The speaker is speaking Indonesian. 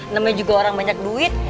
namanya juga orang banyak duit